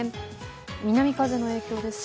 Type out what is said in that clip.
南風の影響ですか。